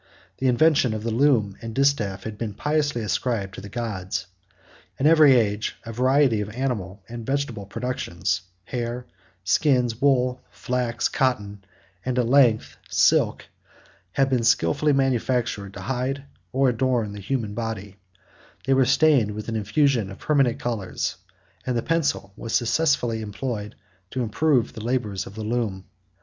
The invention of the loom and distaff has been piously ascribed to the gods. In every age, a variety of animal and vegetable productions, hair, skins, wool, flax, cotton, and at length silk, have been skilfully manufactured to hide or adorn the human body; they were stained with an infusion of permanent colors; and the pencil was successfully employed to improve the labors of the loom.